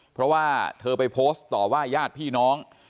เพราะว่าเธอไปโพสต์ต่อว่าญาติพี่น้อง